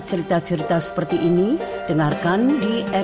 sesudah era reformasi sampai saat ini